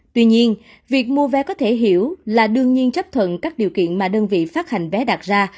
tuy nhiên việc mua vé có thể hiểu là đương nhiên chấp thuận các điều kiện mà đơn vị phát hành vé đặt ra